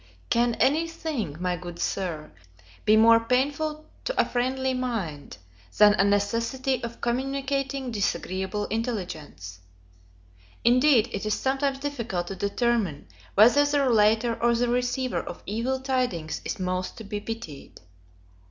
CAN any thing, my good Sir, be more painful to a friendly mind, than a necessity of communicating disagreeable intelligence? Indeed it is sometimes difficult to determine, whether the relator or the receiver of evil tidings is most to be pitied.